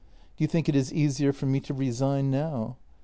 Do you think it is easier for me to resign now?